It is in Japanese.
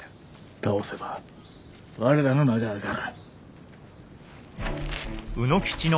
倒せば我らの名が上がる。